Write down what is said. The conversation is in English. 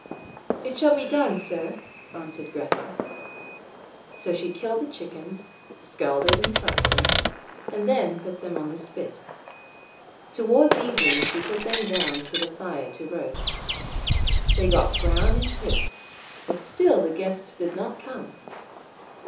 'It shall be done, sir!' answered Grethel. So she killed the chickens, scalded and plucked them, and then put them on the spit; towards evening she put them down to the fire to roast. They got brown and crisp, but still the guest did not come.